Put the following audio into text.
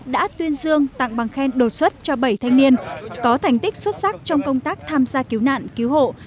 đã tuyên dương tặng bằng khen đột xuất cho bảy thanh niên có thành tích xuất sắc trong công tác tham gia cứu nạn cứu hộ